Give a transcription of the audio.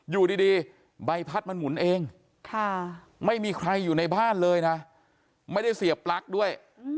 อยู่ดีใบพัดมันหมุนเองไม่มีใครอยู่ในบ้านเลยนะไม่ได้เสียบปลั๊กด้วย